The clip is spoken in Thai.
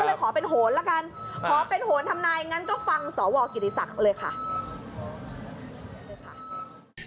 เลยขอเป็นโหนละกันขอเป็นโหนทำนายงั้นก็ฟังสวกิติศักดิ์เลยค่ะ